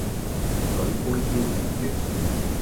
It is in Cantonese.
舉杯邀明月，